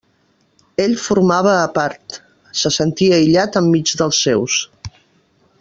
Ell formava a part, se sentia aïllat enmig dels seus.